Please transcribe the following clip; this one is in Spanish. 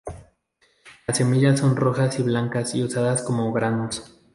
Las semillas son rojas y blancas y usadas como granos.